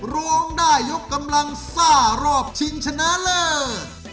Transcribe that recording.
ร้องได้ยกกำลังซ่ารอบชิงชนะเลิศ